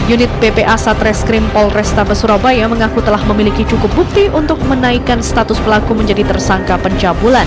unit bpa satreskrim polres taba surabaya mengaku telah memiliki cukup bukti untuk menaikkan status pelaku menjadi tersangka pencapulan